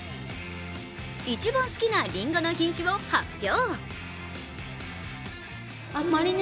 一番好きなりんごの品種を発表。